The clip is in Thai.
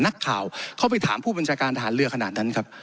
นักข่าวเข้าไปถามผู้บัญชาการทหารเรือขนาดนั้นครับ